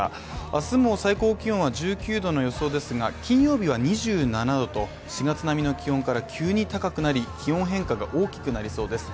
明日も最高気温は１９℃の予想ですが金曜日は２７℃と４月並みの気温から急に高くなり、気温変化が大きくなりそうです。